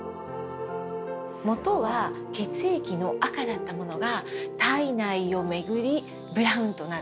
元は血液の赤だったものが体内を巡りブラウンとなる。